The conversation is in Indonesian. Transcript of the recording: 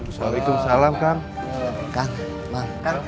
assalamualaikum salam kak